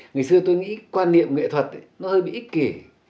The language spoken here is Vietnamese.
ngày xưa tôi nghĩ quan niệm nghệ thuật nó hơi bị ích kỷ